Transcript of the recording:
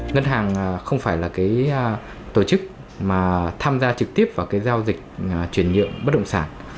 ngân hàng không phải là cái tổ chức mà tham gia trực tiếp vào cái giao dịch chuyển nhượng bất động sản